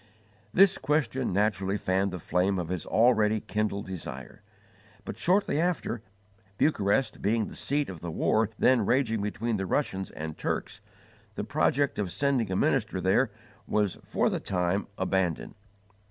This question naturally fanned the flame of his already kindled desire; but, shortly after, Bucharest being the seat of the war then raging between the Russians and Turks, the project of sending a minister there was for the time abandoned.